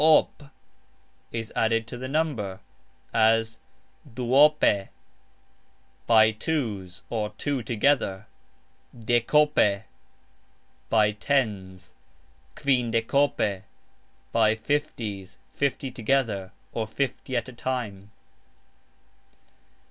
" op " is added to the number, as "duope", by twos, or two together; "dekope", by tens; "kvindekope", by fifties, fifty together, or fifty at a time.